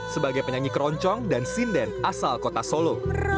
sebagai penyanyi keroncong dan sinden asal kota solo